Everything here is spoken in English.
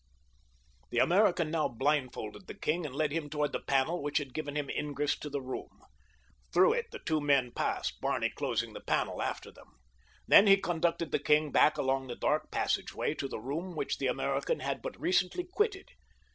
The American now blindfolded the king and led him toward the panel which had given him ingress to the room. Through it the two men passed, Barney closing the panel after them. Then he conducted the king back along the dark passageway to the room which the American had but recently quitted.